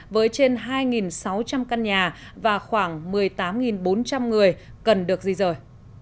với trên hai sáu trăm linh căn nhà và khoảng một mươi tám bốn trăm linh người cần được di rời